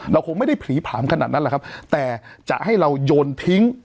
เราคงไม่ได้ผลีผลามขนาดนั้นแหละครับแต่จะให้เราโยนทิ้ง